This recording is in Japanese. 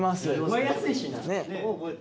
覚えやすいしな。